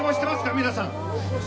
皆さん。